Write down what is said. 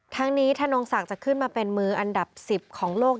ทั้งนี้ธนงศักดิ์จะขึ้นมาเป็นมืออันดับ๑๐ของโลก